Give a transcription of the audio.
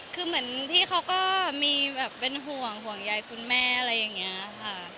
คือเหมือนที่เขาก็มีแบบเป็นห่วงห่วงใยคุณแม่อะไรอย่างนี้ค่ะ